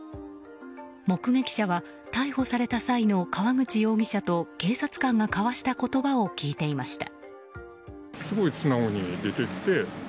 目撃者は、逮捕された際の川口容疑者と警察官が交わした言葉を聞いていました。